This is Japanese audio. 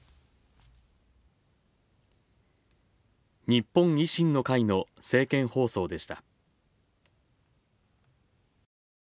日本維新の会の政見放送でした。